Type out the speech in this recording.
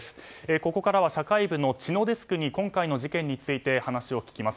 ここからは社会部の知野デスクに今回のデスクについて話を聞きます。